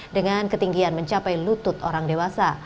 dengan ketinggian mencapai lutut orang dewasa